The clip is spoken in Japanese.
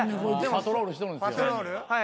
パトロールしとるんすよ。